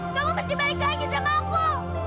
kamu mesti balik lagi sama aku